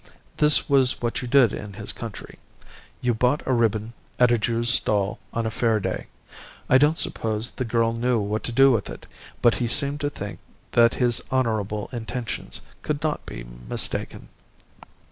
This was what you did in his country. You bought a ribbon at a Jew's stall on a fair day. I don't suppose the girl knew what to do with it, but he seemed to think that his honourable intentions could not be mistaken.